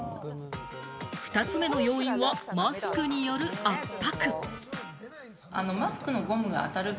２つ目の要因はマスクによる圧迫。